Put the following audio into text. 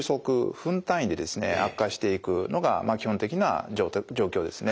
悪化していくのが基本的な状況ですね。